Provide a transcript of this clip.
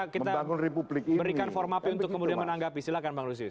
kita berikan formapi untuk menanggapi silahkan bang lusius